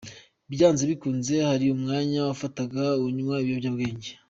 Byanze bikunze hari umwanya wafataga unywa ibiyobyabwenge.